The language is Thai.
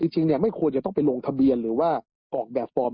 จริงไม่ควรจะต้องไปลงทะเบียนหรือว่าออกแบบฟอร์ม